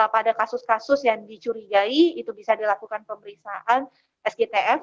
pada kasus kasus yang dicurigai itu bisa dilakukan pemeriksaan sgtf